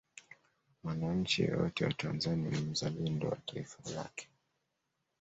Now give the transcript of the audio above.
mwanachi yeyote wa tanzania ni mzalendo wa taifa lake